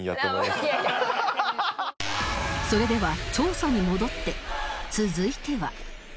それでは調査に戻って続いては